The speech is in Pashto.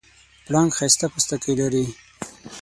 پړانګ ښایسته پوستکی لري.